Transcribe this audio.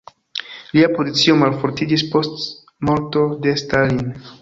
Lia pozicio malfortiĝis post morto de Stalin.